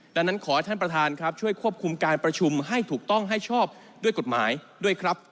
ดังนั้นขอให้ท่านประธานครับช่วยควบคุมการประชุมให้ถูกต้องให้ชอบด้วยกฎหมายด้วยครับ